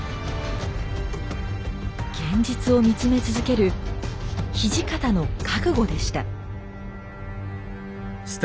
現実を見つめ続ける土方の覚悟でした。